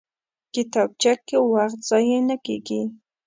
کتابچه کې وخت ضایع نه کېږي